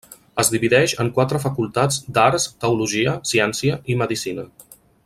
Es divideix en quatre facultats d'Arts, Teologia, Ciència i Medicina.